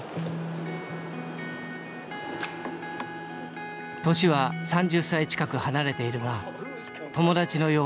年は３０歳近く離れているが友達のように仲がいい。